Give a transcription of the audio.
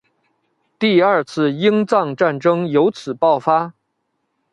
第二次英藏战争由此爆发。